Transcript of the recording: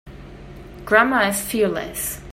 Grandma is fearless.